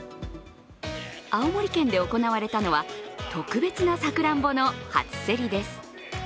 青森県で行われたのは、特別なさくらんぼの初競りです。